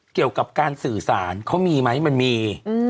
เกี่ยวกับการสื่อสารเขามีไหมมันมี